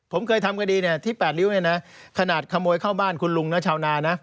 ผมเคยทำคดีที่๘ริ้วขนาดขโมยเข้าบ้านคุณลุงชาวนา